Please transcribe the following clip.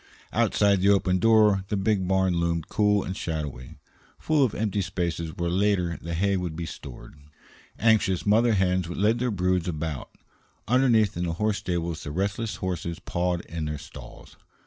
Outside the open door the big barn loomed cool and shadowy, full of empty spaces where later the hay would be stored; anxious mother hens led their broods about; underneath in the horse stable the restless horses pawed in their stalls.